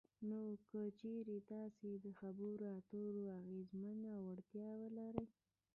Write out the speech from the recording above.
نو که چېرې تاسې دخبرو اترو اغیزمنه وړتیا ولرئ